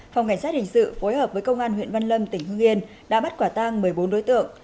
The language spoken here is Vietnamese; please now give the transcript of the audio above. phòng cảnh sát hình sự phối hợp với công an huyện văn lâm tỉnh hương yên đã bắt quả tang một mươi bốn đối tượng